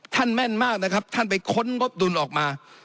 แม่นมากนะครับท่านไปค้นงบดุลออกมา